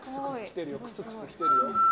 クスクス来てるよ。